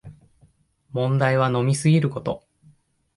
問題は飲みすぎること